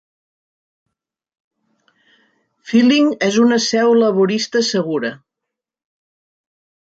Felling és una seu Laborista segura.